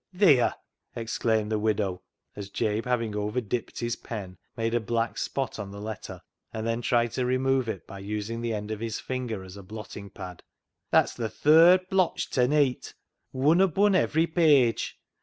" Theer," exclaimed the widow, as Jabe, having over dipped his pen, made a black spot on the letter, and then tried to remove it by using the end of his finger as a blotting pad, " that's th' third blotch ta neet, wun upo' ivery VAULTING AMBITION 237 page.